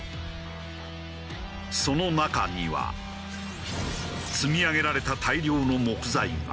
その中には積み上げられた大量の木材が。